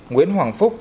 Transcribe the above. nguyễn hoàng phúc